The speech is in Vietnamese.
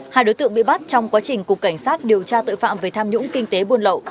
hai đối tượng bị bắt trong quá trình cục cảnh sát điều tra tội phạm về tham nhũng kinh tế buôn lậu